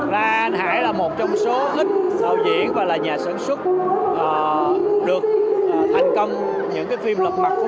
ra anh hải là một trong số ít đạo diễn và là nhà sản xuất được thành công những cái phim lật mặt